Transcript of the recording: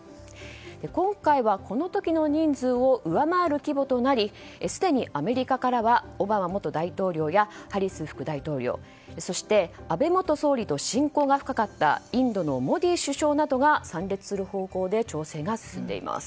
今回はこの時の人数を上回る規模となりすでにアメリカからはオバマ元大統領やハリス副大統領そして安倍元総理と親交が深かったインドのモディ首相などが参列する方向で調整が進んでいます。